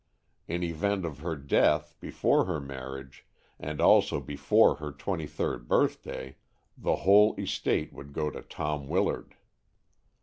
In event of her death before her marriage, and also before her twenty third birthday, the whole estate would go to Tom Willard.